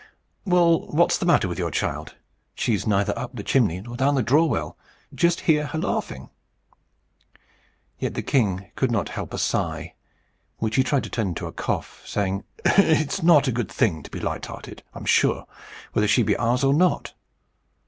"Well, what's the matter with your child? She's neither up the chimney nor down the draw well. Just hear her laughing." Yet the king could not help a sigh, which he tried to turn into a cough, saying "It is a good thing to be light hearted, I am sure, whether she be ours or not."